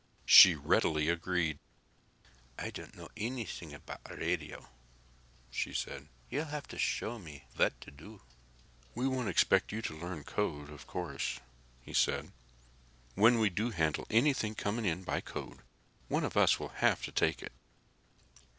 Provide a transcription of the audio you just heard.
She readily agreed. "I don't know anything about radio," she said. "You'll have to show me what to do." "We won't expect you to learn code, of course," he said. "When we do handle anything coming in by code one of us will have to take it.